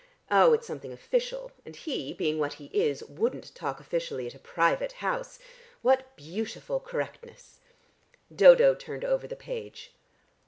Oh, it's something official, and he, being what he is, wouldn't talk officially at a private house. What beautiful correctness!" Dodo turned over the page.